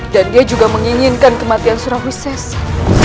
dan dia juga menginginkan kematian surah wisesa